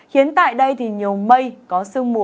hiến tại đây thì nhiều mây có sương mù